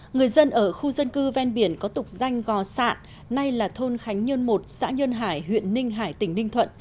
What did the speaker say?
người dân ở khu dân cư ven biển có tục danh gò sạn nay là thôn khánh nhơn một xã nhơn hải huyện ninh hải tỉnh ninh thuận